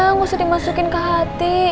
nggak usah dimasukin ke hati